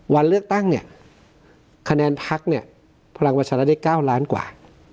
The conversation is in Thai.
วันเลือกตั้งเนี่ยคะแนนพักเนี่ยพลังประชารัฐได้๙ล้านกว่า